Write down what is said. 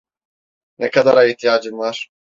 Ne kadara ihtiyacın var?